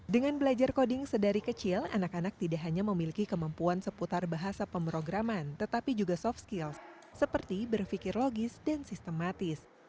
dengan belajar coding sedari kecil anak anak tidak hanya memiliki kemampuan seputar bahasa pemrograman tetapi juga soft skills seperti berpikir logis dan sistematis